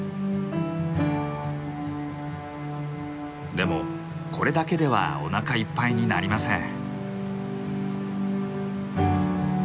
でもこれだけではおなかいっぱいになりません。